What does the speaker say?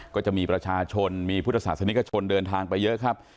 ก็จะมีประชาชนมีพุทธศาสนิกชนเดินทางไปเยอะครับ